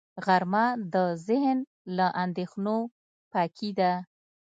غرمه د ذهن له اندېښنو پاکي ده